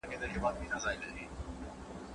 ¬ د غنمو لار د ژرندي تر خولې ده.